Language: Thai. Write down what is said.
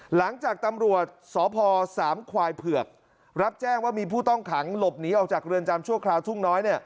หลังจากตำรวจสพสามควายเผือกรับแจ้งว่ามีผู้ต้องขังหลบหนีออกจากเรือนจำชั่วคราวทุ่งน้อย